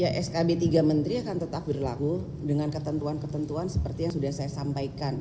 ya skb tiga menteri akan tetap berlaku dengan ketentuan ketentuan seperti yang sudah saya sampaikan